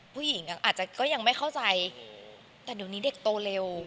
ผู้หญิงอาจจะก็ยังไม่เข้าใจแต่เดี๋ยวนี้เด็กโตเร็ว